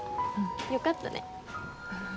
よかったね。